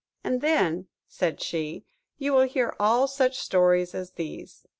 "And then," said she, "you will hear all such stories as these!"